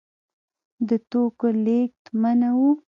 د توکو رالېږد منع و.